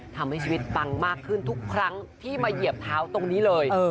ทำให้ชีวิตปังมากขึ้นทุกครั้งที่มาเหยียบเท้าตรงนี้เลย